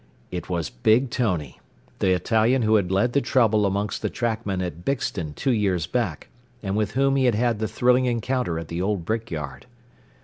It was Big Tony, the Italian who had led the trouble amongst the trackmen at Bixton two years back, and with whom he had had the thrilling encounter at the old brick yard.